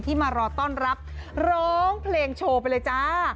มารอต้อนรับร้องเพลงโชว์ไปเลยจ้า